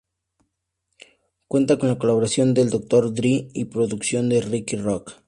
Cuenta con la colaboración de Dr. Dre y producción de Rick Rock.